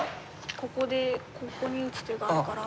ここでここに打つ手があるから。